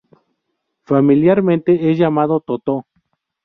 Familiarmente es llamado "Totó".